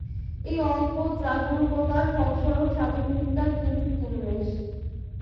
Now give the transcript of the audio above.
এই অল্প জাগুরূকতার ফলস্বরূপ স্বাধীন চিন্তার কিঞ্চিৎ উন্মেষ।